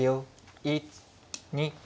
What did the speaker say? １２。